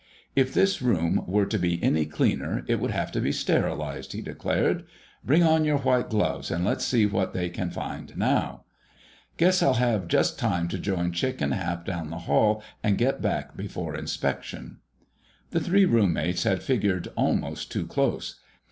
"If this room were to be any cleaner, it would have to be sterilized," he declared. "Bring on your white gloves, and let's see what they can find now. Guess I'll have just time to join Chick and Hap down the hall and get back before inspection." The three roommates had figured almost too close.